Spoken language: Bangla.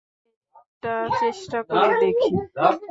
এটা চেষ্টা করে দেখি।